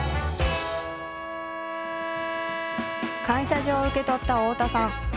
感謝状を受け取った太田さん。